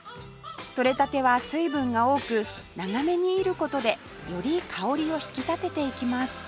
とれたては水分が多く長めに煎る事でより香りを引き立てていきます